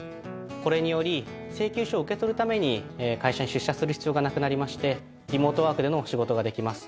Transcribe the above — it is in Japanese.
これにより請求書を受け取るために会社に出社する必要がなくなりましてリモートワークでの仕事ができます。